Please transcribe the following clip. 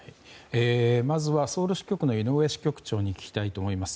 まずはソウル支局の井上支局長に聞きたいと思います。